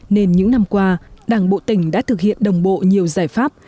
nên những năm qua đảng bộ tỉnh đã thực hiện đồng bộ nhiều giải pháp